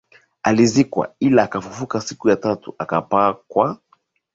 alizikwa ila akafufuka siku ya tatu akapaa kwa